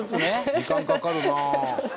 時間かかるな。